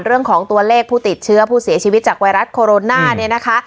เรื่องของตัวเลขผู้ติดเชื้อผู้เสียชีวิตจากไวรัสโคโรนาเนี่ยนะคะ